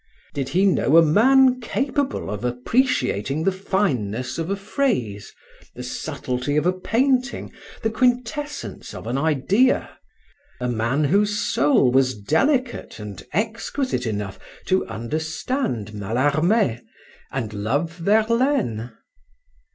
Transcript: Did he know a man capable of appreciating the fineness of a phrase, the subtlety of a painting, the quintessence of an idea, a man whose soul was delicate and exquisite enough to understand Mallarme and love Verlaine?